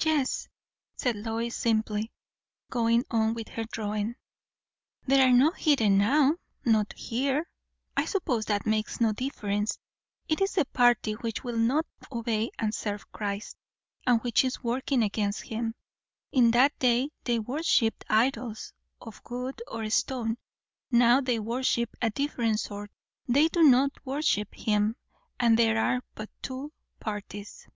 "Yes," said Lois simply, going on with her drawing. "There are no heathen now, not here." "I suppose that makes no difference. It is the party which will not obey and serve Christ; and which is working against him. In that day they worshipped idols of wood and stone; now they worship a different sort. They do not worship him; and there are but two parties."